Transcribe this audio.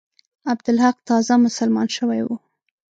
عبدالحق تازه مسلمان شوی وو.